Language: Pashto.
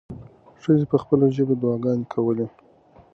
ښځې په خپله غلې ژبه دعاګانې کولې.